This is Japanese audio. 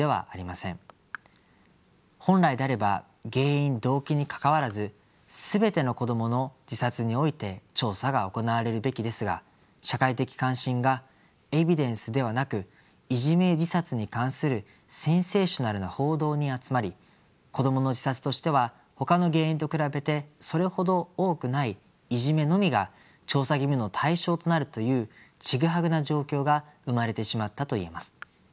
本来であれば原因・動機にかかわらず全ての子どもの自殺において調査が行われるべきですが社会的関心がエビデンスではなくいじめ自殺に関するセンセーショナルな報道に集まり子どもの自殺としてはほかの原因と比べてそれほど多くないいじめのみが調査義務の対象となるというちぐはぐな状況が生まれてしまったと言えます。